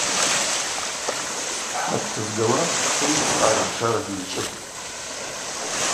Спхӏа дтызгауа сымлыкв аъарагӏвшарагьи йчӏвыпӏ.